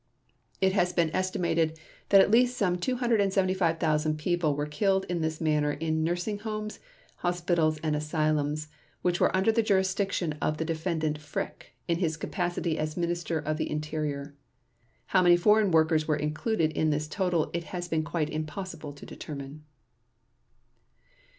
It has been estimated that at least some 275,000 people were killed in this manner in nursing homes, hospitals and asylums, which were under the jurisdiction of the Defendant Frick, in his capacity as Minister of the Interior. How many foreign workers were included in this total it has been quite impossible to determine.